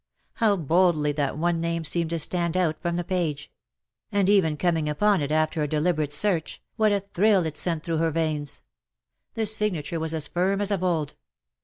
How boldly that one name seemed to stand out from the page ; and even coming upon it after a deliberate search, what a 147 thrill it sent through her veins ! The signature was as firm as of old.